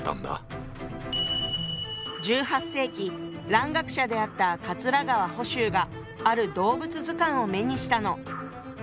１８世紀蘭学者であった桂川甫周がある動物図鑑を目にしたの。